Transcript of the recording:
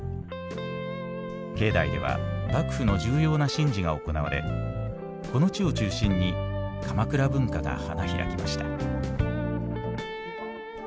境内では幕府の重要な神事が行われこの地を中心に鎌倉文化が花開きました。